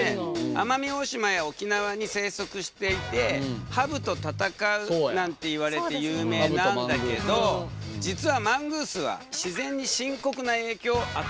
奄美大島や沖縄に生息していてハブと戦うなんていわれて有名なんだけど実はマングースは自然に深刻な影響を与えているんだよね。